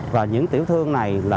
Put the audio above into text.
và những tiểu thương này là